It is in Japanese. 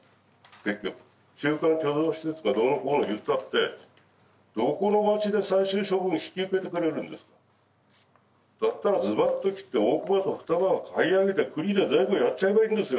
結局中間貯蔵施設がどうのこうの言ったってどこの町で最終処分引き受けてくれるんですかだったらずばっと切って大熊と双葉を買い上げて国で全部やっちゃえばいいんですよ